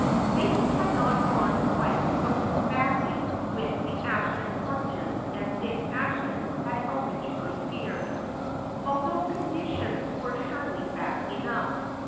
Things had not gone quite so badly with the Ashton fortune as Dick Ashton had originally feared, although conditions were surely bad enough.